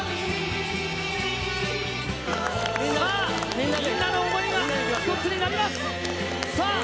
みんなの想いが一つになります。